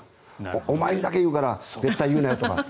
お前にだけ言うから絶対に言うなよとか。